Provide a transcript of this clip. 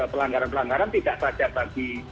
pelanggaran pelanggaran tidak saja bagi